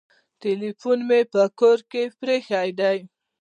ټلیفون مي په کور کي پرېښود .